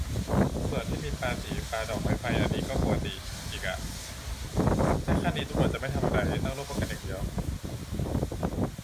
ส่วนที่มีปาสี ปาดอกไม้ไฟ อันนี้ก็ปกติอีกอ่ะ ถ้าขั้นนี้ตำรวจจะไม่ทำอะไร ตั้งโล่ป้องกันอย่างเดียว